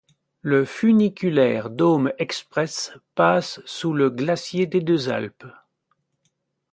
Le Funiculaire Dôme Express passe sous le glacier des Deux Alpes.